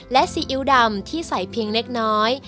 และซีอิ๊วดำที่ใส่เพียงเล็กน้อย